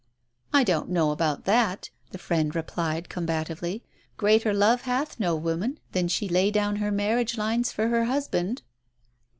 "I don't know about that," the friend replied, com batively. "Greater love hath no woman, than she lay down her marriage lines for her husband."